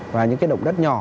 và những cái động đất nhỏ